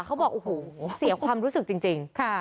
เขาบอกโอ้โหเสียความรู้สึกจริง